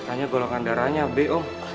katanya golongan darahnya b om